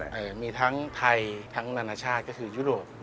มีทั้งไทยทั้งนานาชาติก็คือยุโรป